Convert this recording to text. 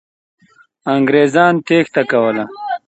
انګریزان تېښته کوله.